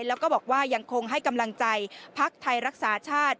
แล้วก็บอกว่ายังคงให้กำลังใจพักไทยรักษาชาติ